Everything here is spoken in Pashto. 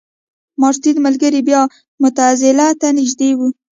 ماتریدي ملګري بیا معتزله ته نژدې وو.